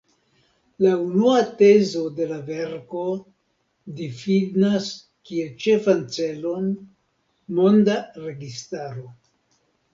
La unua tezo de la verko difinas kiel ĉefan celon monda registaro.